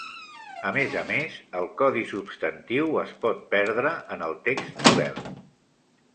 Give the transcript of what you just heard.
A més a més, el codi substantiu es pot perdre en el text model.